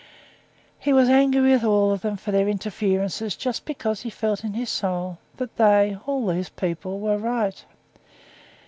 He was angry with all of them for their interference just because he felt in his soul that they, all these people, were right.